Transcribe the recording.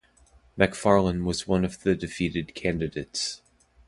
Macfarlan was one of the defeated candidates.